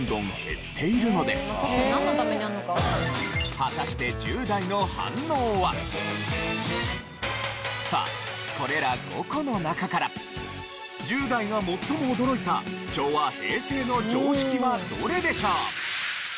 果たしてさあこれら５個の中から１０代が最も驚いた昭和・平成の常識はどれでしょう？